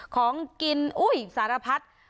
ของกินอุ้ยสารพัด